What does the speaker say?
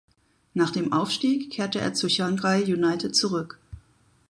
Nach dem Aufstieg kehrte er zu Chiangrai United zurück.